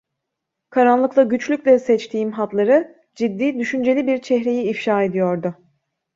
Karanlıkta güçlükle seçtiğim hatları, ciddi, düşünceli bir çehreyi ifşa ediyordu.